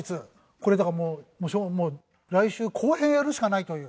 これだからもう来週後編やるしかないという。